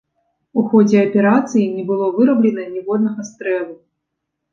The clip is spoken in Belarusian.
У ходзе аперацыі не было выраблена ніводнага стрэлу.